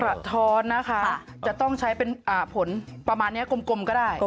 สะท้อนนะคะจะต้องใช้เป็นผลประมาณนี้กลมก็ได้